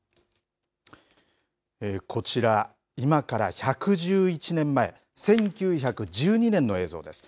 こちら、今から１１１年前、１９１２年の映像です。